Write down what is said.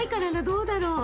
どうだろう？